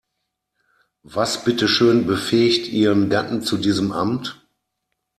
Was bitteschön befähigt ihren Gatten zu diesem Amt?